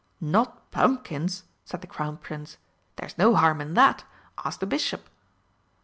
"Not pumpkins," said the Crown Prince. "There's no harm in that! Ask the bishop!"